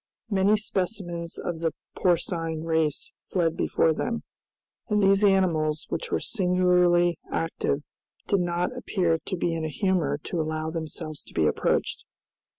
Many specimens of the porcine race fled before them, and these animals, which were singularly active, did not appear to be in a humor to allow themselves to be approached.